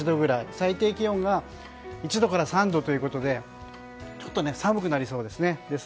最低気温が１度から３度ということでちょっと寒くなりそうです。